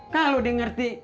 kalo udah ngerti